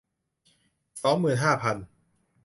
สองหมื่นห้าพัน